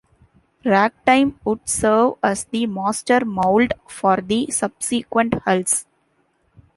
"Ragtime" would serve as the master mould for the subsequent hulls.